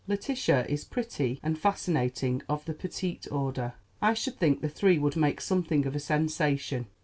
Letitia is pretty and fascinating, of the petit order. I should think the three would make something of a sensation.